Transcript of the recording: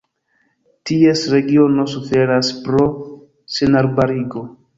Ties regiono suferas pro senarbarigo.